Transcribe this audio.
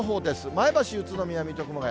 前橋、宇都宮、水戸、熊谷。